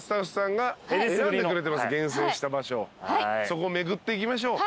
そこ巡っていきましょう。